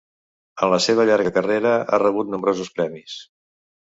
En la seva llarga carrera, ha rebut nombrosos premis.